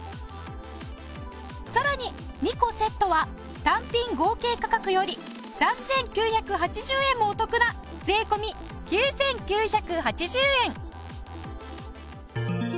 さらに２個セットは単品合計価格より３９８０円もお得な税込９９８０円。